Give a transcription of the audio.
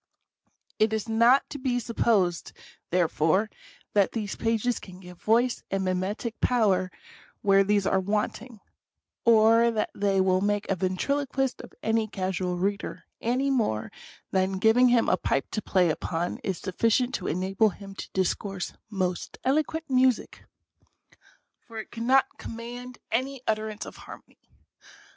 It is not to be supposed, therefore, that these pages can give voice and mimetic power where these are wanting ; or that they will make a ventriloquist of any casual reader, any more than giving him a pipe to play upon is sufficient to enable him to dis course " most eloquent music, " for it could not "command any utterance of harmony.